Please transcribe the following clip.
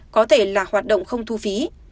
có thể là hoạt động không thu phí